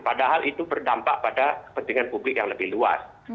padahal itu berdampak pada kepentingan publik yang lebih luas